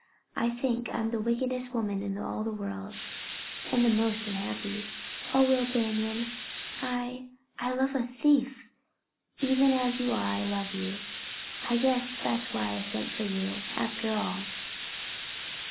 I think I'm the wickedest woman in all the world, and the most unhappy. Oh, Will Banion, I I love a thief! Even as you are, I love you! I guess that's why I sent for you, after all.